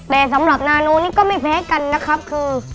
แต่สำหรับนานูนี่ก็ไม่แพ้กันนะครับคือ